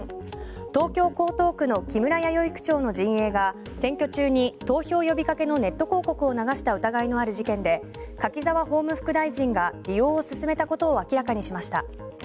東京・江東区の木村弥生区長の陣営が、選挙中に投票を呼びかけのネット広告を流した疑いのある事件で柿沢法務副大臣が利用を進めたことを明らかにしました。